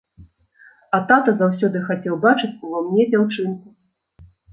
А тата заўсёды хацеў бачыць ува мне дзяўчынку.